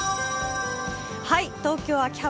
東京・秋葉原